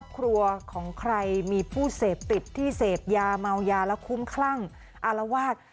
ครัวของใครมีผู้เสพติดที่เสพยาเมายาแล้วคุ้มคลั่งอารวาส